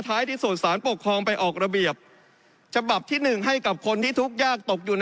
ที่สุดสารปกครองไปออกระเบียบฉบับที่๑ให้กับคนที่ทุกข์ยากตกอยู่ใน